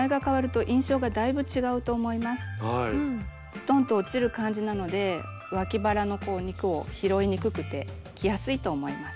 ストンと落ちる感じなのでわき腹の肉を拾いにくくて着やすいと思います。